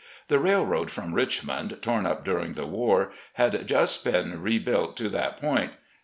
The railroad from Richmond, tom up during the war, had just been rebuilt to that point.